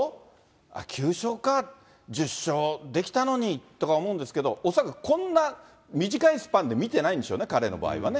ああ、９勝かって、１０勝できたのにって思うんですけど、恐らくこんな短いスパンで見てないんでしょうね、彼の場合はね。